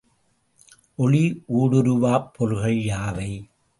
ஒளி ஊடுருவாப் பொருள்கள் யாவை?